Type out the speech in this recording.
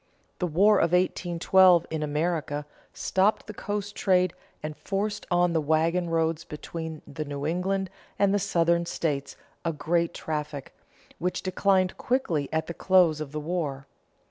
The War of 1812 in America stopped the coast trade and forced on the wagon roads between the New England and the Southern states a great traffic, which declined quickly at the close of the war.